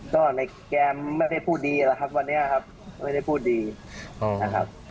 ก็ในเกมไม่ได้พูดดีแล้วครับวันนี้ครับไม่ได้พูดดีนะครับ